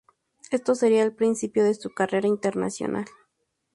Esto sería el principio de su carrera internacional.